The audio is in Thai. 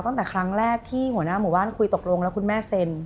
ตั้งแต่ครั้งแรกที่หัวหน้าหมู่บ้านคุยตกลงแล้วคุณแม่เซ็น